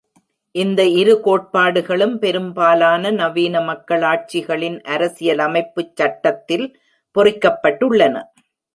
இந்த இரு கோட்பாடுகளும் பெரும்பாலான நவீன மக்களாட்சிகளின் அரசியலமைப்புச் சட்டத்தில் பொறிக்கப்பட்டுள்ளன.